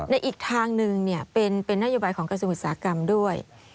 อีกทางหนึ่งเป็นนโยบายของกระทรวงอุตสาหกรรมด้วย